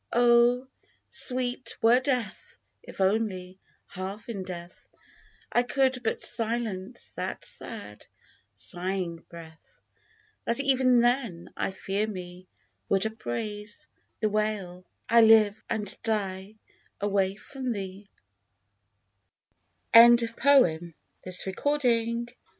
Oh ! sweet were death, if only, half in death, I could but silence that sad, sighing breath, That even then, I fear me, would upraise The wail, " I live and die away from thee